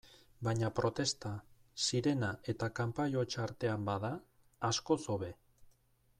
Baina protesta, sirena eta kanpai hots artean bada, askoz hobe.